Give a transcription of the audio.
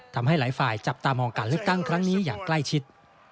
ทำให้หลายฝ่ายจับตามองการเลือกตั้งครั้งนี้อย่างใกล้ชิด